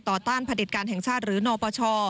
ต่อต้านพระเด็ดการแห่งชาติหรือนอบช